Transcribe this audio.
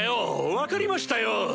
分かりましたよ！